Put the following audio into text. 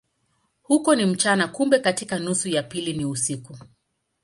Huko ni mchana, kumbe katika nusu ya pili ni usiku.